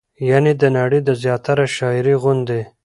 يعنې د نړۍ د زياتره شاعرۍ غوندې